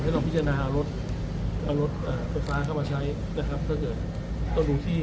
ต้องพิจารณารถเอารถไฟฟ้าเข้ามาใช้นะครับถ้าเกิดต้องดูที่